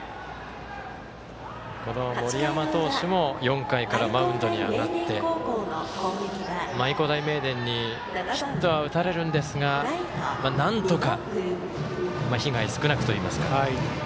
森山投手も４回からマウンドに上がって愛工大名電にヒットは打たれるんですがなんとか被害少なくといいますか。